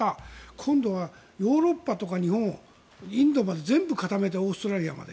今度はヨーロッパとか日本インドまで全部固めてオーストラリアまで。